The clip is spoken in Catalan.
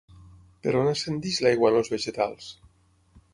Per on ascendeix l'aigua en els vegetals?